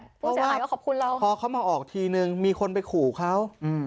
เพราะว่าพอเขามาออกทีนึงมีคนไปขู่เขา